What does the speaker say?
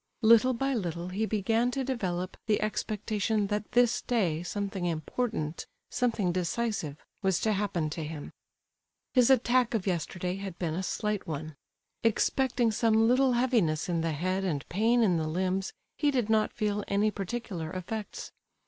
Little by little he began to develop the expectation that this day something important, something decisive, was to happen to him. His attack of yesterday had been a slight one. Excepting some little heaviness in the head and pain in the limbs, he did not feel any particular effects.